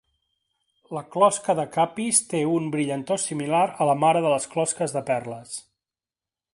La closca de Capiz té un brillantor similar a la mare de les closques de perles.